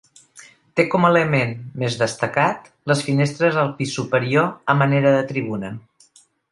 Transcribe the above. Té com a element més destacat les finestres al pis superior a manera de tribuna.